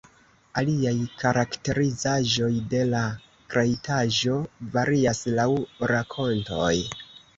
Aliaj karakterizaĵoj de la kreitaĵo varias laŭ rakontoj.